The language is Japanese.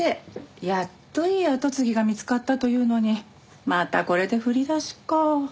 やっといい後継ぎが見つかったというのにまたこれで振り出しか。